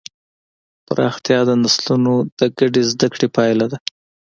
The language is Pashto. پراختیا د نسلونو د ګډې زدهکړې پایله ده.